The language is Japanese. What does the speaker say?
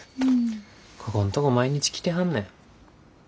ここんとこ毎日来てはんねん。